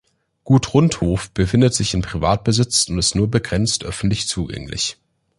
Gut Rundhof befindet sich in Privatbesitz und ist nur begrenzt öffentlich zugänglich.